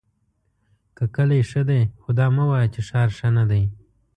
که کلی ښۀ دی خو دا مه وایه چې ښار ښۀ ندی!